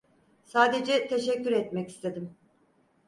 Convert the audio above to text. Sadece teşekkür etmek istedim.